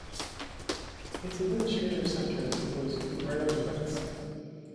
Its administrative centre was Gryazovets.